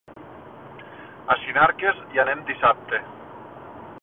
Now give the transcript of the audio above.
A Sinarques hi anem dissabte.